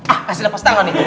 ah kasih lepas tangan ya